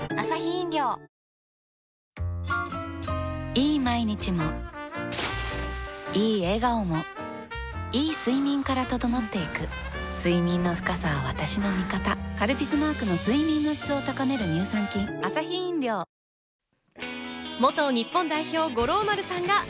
いい毎日もいい笑顔もいい睡眠から整っていく睡眠の深さは私の味方「カルピス」マークの睡眠の質を高める乳酸菌「『クイックル』で良くない？」